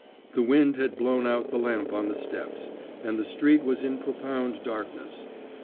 The wind had blown out the lamp on the steps, and the street was in profound darkness.